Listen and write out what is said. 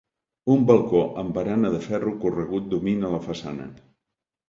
Un balcó amb barana de ferro corregut domina la façana.